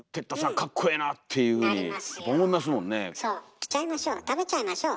着ちゃいましょう食べちゃいましょう。